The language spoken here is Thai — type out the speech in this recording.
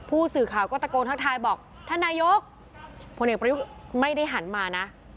ผู้สื่อข่าวก็ตะโกนทักทายบอกท่านนายกพลเอกประยุทธ์ไม่ได้หันมานะ